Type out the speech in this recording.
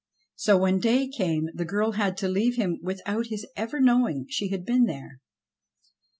So when day came the girl had to leave him without his ever knowing she had been there.